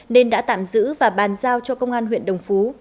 nên đã tạm giữ và bàn giao cho công an huyện đồng phú